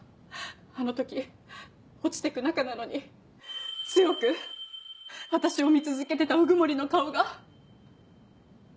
あの時落ちてく中なのに強く私を見続けてた鵜久森の顔が。